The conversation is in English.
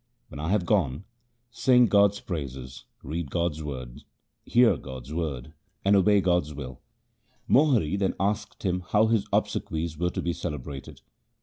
When I have gone, sing God's praises, read God's word, hear God's word, and obey God's will.' Mohri then asked him how his obse quies were to be celebrated.